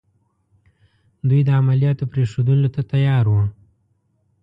دوی د عملیاتو پرېښودلو ته تیار وو.